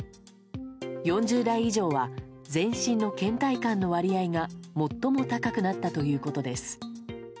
４０代以上は全身の倦怠感の割合が最も高くなったということです。